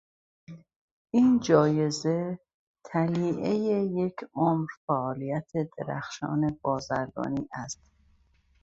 این جایزه طلیعهی یک عمر فعالیت درخشان بازرگانی است.